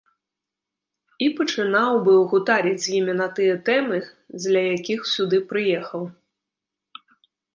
І пачынаў быў гутарыць з ім на тыя тэмы, дзеля якіх сюды прыехаў.